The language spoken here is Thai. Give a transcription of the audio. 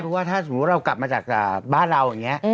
เพราะว่าถ้าสมมุติเรากลับมาจากบ้านเราอย่างนี้